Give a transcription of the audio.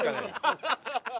ハハハハ！